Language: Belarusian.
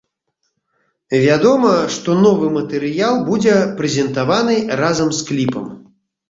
Вядома, што новы матэрыял будзе прэзентаваны разам з кліпам.